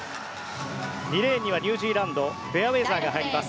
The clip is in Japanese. ２レーンにはニュージーランドフェアウェザーが入ります。